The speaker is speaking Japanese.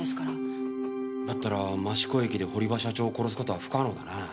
だったら益子駅で堀場社長を殺す事は不可能だな。